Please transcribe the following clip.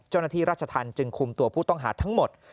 เจ้าหน้าที่ราชธรรมจึงคุมตัวผู้ต้องหาทั้งหมด